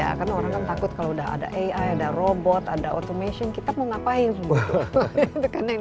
karena orang kan takut kalau sudah ada ai ada robot ada automation kita mau ngapain